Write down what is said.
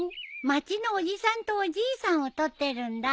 町のおじさんとおじいさんを撮ってるんだ。